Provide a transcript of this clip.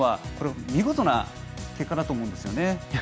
これは見事な結果だと思うんですよね。